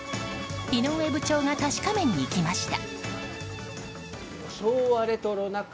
井上部長が確かめに行きました。